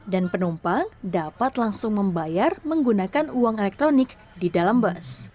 dan penumpang dapat langsung membayar menggunakan uang elektronik di dalam bus